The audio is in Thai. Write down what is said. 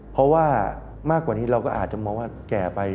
เพราะว่ามากกว่านี้เราก็อาจจะมองว่าแก่ไป